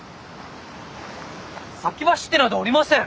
先走ってなどおりません。